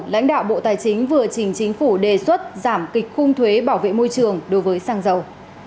lãnh đạo bộ tài chính vừa trình chính phủ đề xuất giảm kịch khung thuế bảo vệ môi trường đối với xăng dầu